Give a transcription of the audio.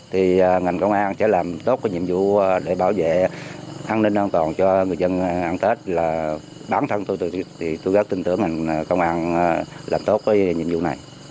thì ngành công an sẽ làm tốt cái nhiệm vụ để bảo vệ an ninh an toàn cho người dân hàng tết là bản thân tôi thì tôi rất tin tưởng rằng công an làm tốt cái nhiệm vụ này